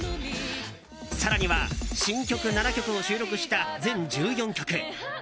更には新曲７曲も収録した全１４曲。